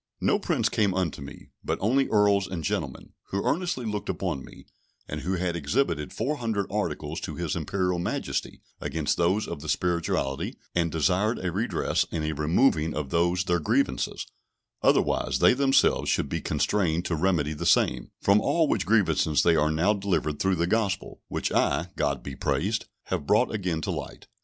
No Prince came unto me, but only Earls and gentlemen, who earnestly looked upon me, and who had exhibited four hundred articles to his Imperial Majesty against those of the spirituality, and desired a redress and a removing of those their grievances, otherwise they themselves should be constrained to remedy the same; from all which grievances they are now delivered through the Gospel, which I (God be praised) have brought again to light.